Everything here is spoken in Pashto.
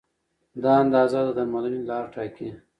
دا اندازه د درملنې لار ټاکي.